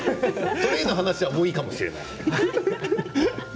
トレーの話はもういいかもしれない。